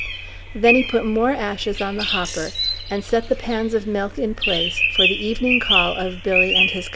Then he put more ashes on the hopper and set the pans of milk in place for the evening call of Billy and his companion.